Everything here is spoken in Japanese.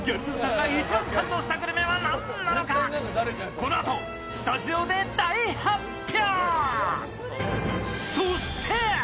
このあとスタジオで大発表！